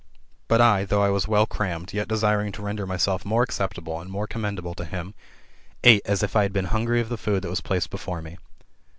But I, though I was well crammed, yet desiring to render myself more acceptable, and more commendable to him, ate as if I had been hungry of the food that was placed before me.